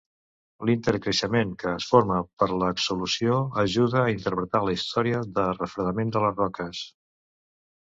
L'intercreixement que es forma per exsolució ajuda a interpretar la història de refredament de les roques.